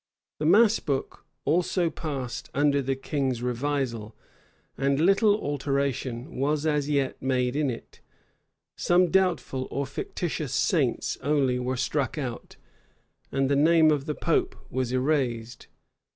The mass book also passed under the king's revisal; and little alteration was as yet made in it: some doubtful or fictious saints only were struck out; and the name of the pope was erased.